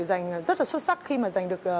giành rất là xuất sắc khi mà giành được